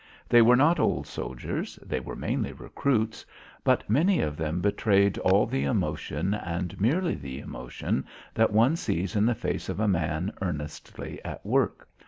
They were not old soldiers; they were mainly recruits, but many of them betrayed all the emotion and merely the emotion that one sees in the face of a man earnestly at work.